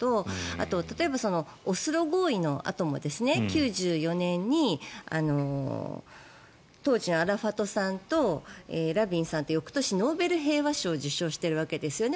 あと、例えばオスロ合意のあとも９４年に当時のアラファトさんとラビンさんって翌年、ノーベル平和賞を受賞しているわけですよね。